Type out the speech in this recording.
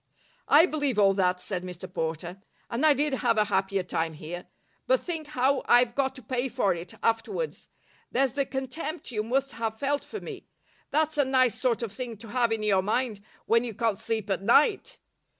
"I believe all that," said Mr Porter, "and I did have a happier time here. But think how I've got to pay for it afterwards. There's the contempt you must have felt for me that's a nice sort of thing to have in your mind when you can't sleep at night!